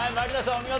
お見事。